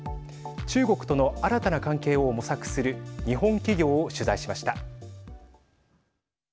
中国との新たな関係を模索する日本企業を取材しました。